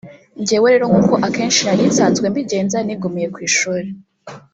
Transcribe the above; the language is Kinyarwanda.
Jyewe rero nk’uko akenshi nari nsanzwe mbigenza nigumiye ku ishuli